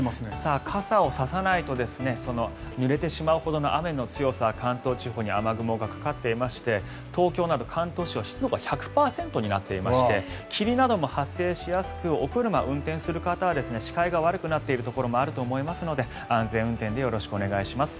傘を差さないとぬれてしまうほどの雨の強さ関東地方に雨雲がかかっていまして東京など関東地方は湿度が１００％になっていまして霧なども発生しやすくお車を運転する方は視界が悪くなっているところもあると思いますので安全運転でよろしくお願いします。